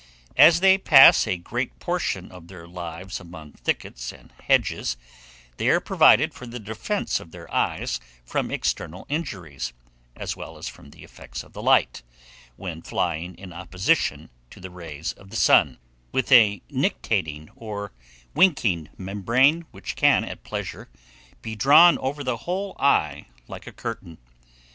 As they pass a great portion of their lives among thickets and hedges, they are provided for the defence of their eyes from external injuries, as well as from the effects of the light, when flying in opposition to the rays of the sun, with a nictating or winking membrane, which can, at pleasure, be drawn over the whole eye like a curtain.